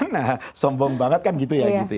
nah sombong banget kan gitu ya